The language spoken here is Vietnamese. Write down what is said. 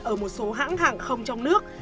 ở một số hãng hàng không trong nước